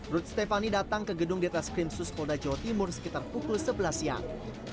ruth stephanie datang ke gedung di treskrim suspoldai jawa timur sekitar pukul sebelas siang